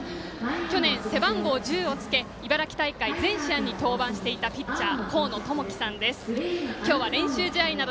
去年、背番号１０をつけ茨城大会全試合に登板していたピッチャー